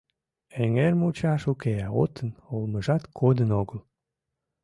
Эҥермучаш уке, отын олмыжат кодын огыл.